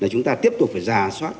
chúng ta tiếp tục phải giả soát